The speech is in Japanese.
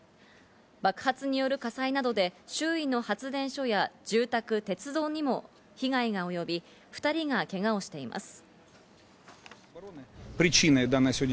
爆発による火災などで周囲の発電所や、住宅、鉄道などにも被害が及び、２人がけがをしています。